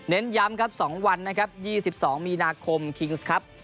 เน้นย้ำครับสองวันนะครับยี่สิบสองมีนาคมครับ